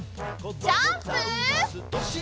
ジャンプ！